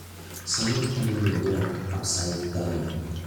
Someone climbing a rock upside down